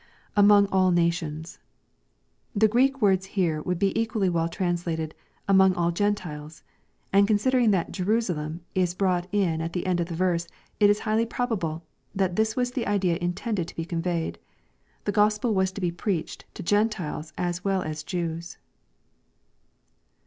[Among aU nation^.] The Greek words here would be equally well translated, '* Among all Gentiles." And considering that "Jerusalem" is brought in at the end of the verse, it is highly probable that this was the idea intended to be conveyed. The Gospel was to be preached to Gentiles as well as Jews.